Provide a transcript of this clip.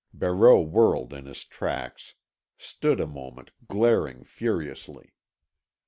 Barreau whirled in his tracks, stood a moment glaring furiously.